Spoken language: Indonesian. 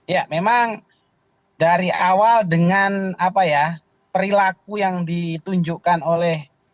ya memang dari awal dengan perilaku yang ditunjukkan oleh